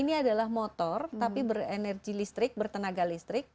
ini adalah motor tapi berenergi listrik bertenaga listrik